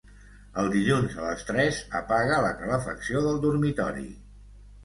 Els dilluns a les tres apaga la calefacció del dormitori.